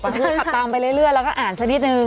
ก็คือขับตามไปเรื่อยแล้วก็อ่านสักนิดนึง